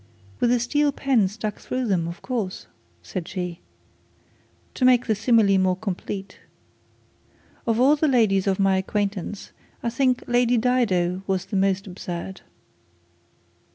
'With a steel pen stuck through them, of course,' said she, 'to make the simile more complete. Of all the ladies of my acquaintance I think Lady Dido was the most absurd.